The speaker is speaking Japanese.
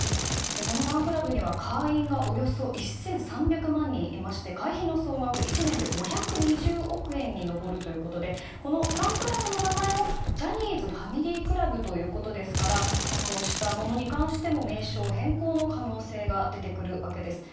このファンクラブには会員がおよそ１３００万人いまして会費の総額は１年で５２０億円に上るということでこのファンクラブの名前もジャニーズファミリークラブということですからこうしたものに関しても名称変更の可能性が出てくるわけです。